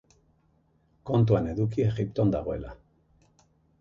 Kontuan eduki Egipton dagoela.